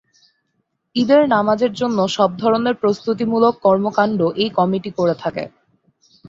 ঈদের নামাজের জন্য সব ধরনের প্রস্তুতিমূলক কর্মকাণ্ড এই কমিটি করে থাকে।